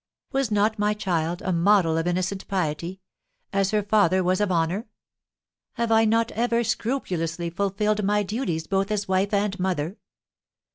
Was not my child a model of innocent piety, as her father was of honour? Have I not ever scrupulously fulfilled my duties both as wife and mother?